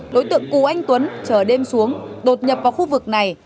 đối tượng cù anh tuấn chờ đêm xuống đột nhập vào khu vực này